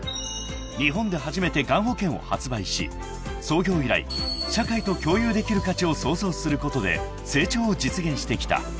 ［日本で初めてがん保険を発売し創業以来社会と共有できる価値を創造することで成長を実現してきた］